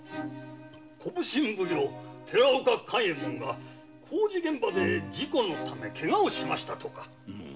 奉行・寺岡官右衛門が工事現場で事故のため怪我をしたとか。